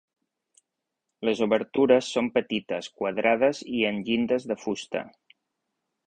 Les obertures són petites quadrades i amb llindes de fusta.